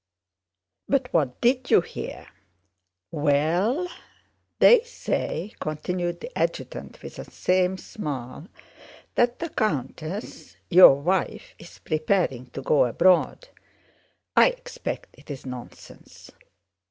"But what did you hear?" "Well, they say," continued the adjutant with the same smile, "that the countess, your wife, is preparing to go abroad. I expect it's nonsense...."